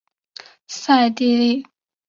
桑蒂利。